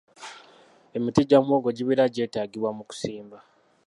Emiti gya muwogo gibeera gyetaagibwa mu kusimba.